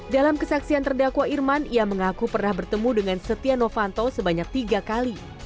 dalam kesaksian terdakwa irman ia mengaku pernah bertemu dengan setia novanto sebanyak tiga kali